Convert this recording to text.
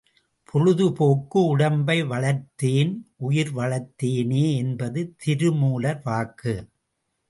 பொழுதுபோக்கு உடம்பை வளர்த்தேன் உயிர் வளர்த்தேனே என்பது திருமூலர் வாக்கு.